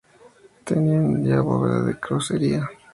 Tenían ya bóveda de crucería.